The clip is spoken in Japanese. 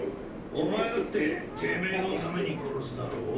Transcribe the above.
お前だっててめぇのために殺すだろ？